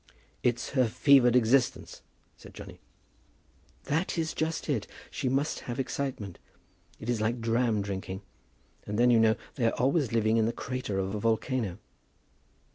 "It's her fevered existence," said Johnny. "That is just it. She must have excitement. It is like dram drinking. And then, you know, they are always living in the crater of a volcano."